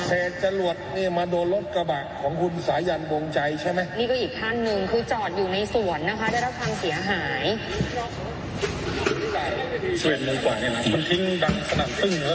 จรวดเนี่ยมาโดนรถกระบะของคุณสายันวงใจใช่ไหมนี่ก็อีกขั้นหนึ่งคือจอดอยู่ในสวนนะคะได้รับความเสียหาย